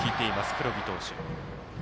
黒木投手。